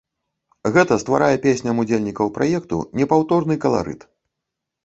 Гэта стварае песням удзельнікаў праекту непаўторны каларыт.